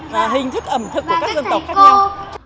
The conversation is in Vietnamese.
và hình thức ẩm thực của các dân tộc khác nhau